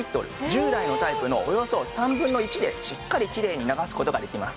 従来のタイプのおよそ３分の１でしっかりきれいに流す事ができます。